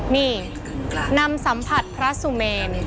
นี่นำสัมผัสพระสุเมน